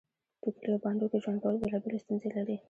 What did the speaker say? په کليو او بانډو کې ژوند کول بيلابيلې ستونزې لري